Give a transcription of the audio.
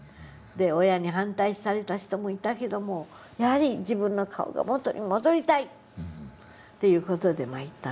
親に反対された人もいたけどもやはり自分の顔が元に戻りたいという事で行ったんですけど。